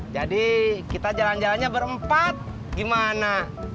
jadi kita jalan jalannya berempat gimana